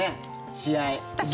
試合。